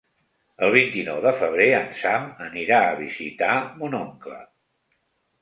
El vint-i-nou de febrer en Sam anirà a visitar mon oncle.